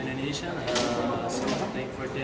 dan saya akan berusaha untuk berlatih di camp berlatih